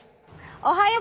おはよう。